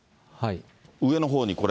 上のほうに、これ。